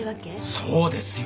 そうですよ！